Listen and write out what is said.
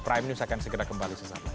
prime news akan segera kembali sesaat lagi